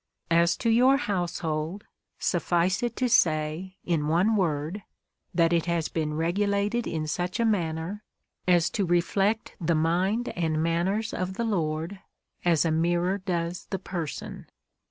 As to your household, suffice it to say, in one word, that it has been regulated in such a manner, as to reflect the mind and manners of the Lord, as a mirror does the person.